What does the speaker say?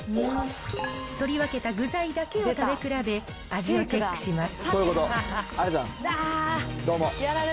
取り分けた具材だけを食べ比べ、味をチェックします。